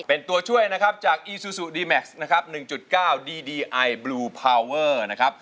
เป็นตัวช่วยนะครับจากอีซูซูดีแม็กซ์นะครับ๑๙ดีดีไอบลูพาวเวอร์นะครับ